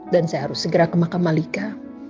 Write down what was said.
dan saya harus segera ke makam malika